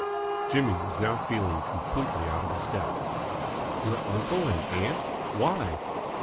Jimmy was now feeling completely out of his depth. "Your uncle and aunt? Why?"